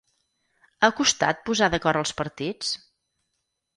Ha costat posar d’acord els partits?